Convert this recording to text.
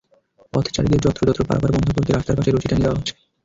পথচারীদের যত্রতত্র পারাপার বন্ধ করতে রাস্তার পাশে রশি টানিয়ে দেওয়া হচ্ছে।